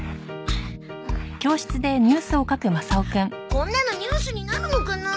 こんなのニュースになるのかな？